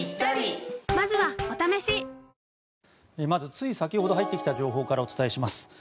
まずつい先ほど入ってきた情報からお伝えします。